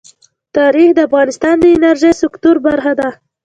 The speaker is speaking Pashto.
تاریخ د افغانستان د انرژۍ سکتور برخه ده.